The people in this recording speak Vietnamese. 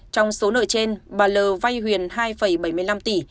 trong số nợ trên bà l vay huyền hai bảy mươi năm tỷ